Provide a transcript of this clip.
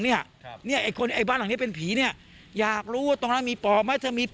บ้านที่นี่เป็นผีอยากรู้ว่าตรงนั้นมีปอบไหม